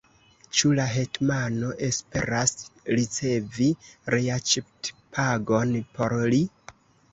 Ĉu la hetmano esperas ricevi reaĉetpagon por li?